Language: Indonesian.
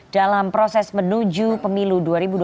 dalam proses menuju pemilu dua ribu dua puluh